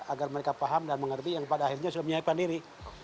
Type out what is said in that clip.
agar mereka paham dan mengerti yang pada akhirnya sudah menyiapkan diri